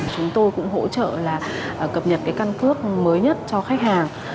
chúng tôi cũng hỗ trợ là cập nhật cái căn cước mới nhất cho khách hàng